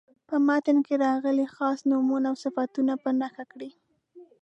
په متن کې راغلي خاص نومونه او صفتونه په نښه کړئ.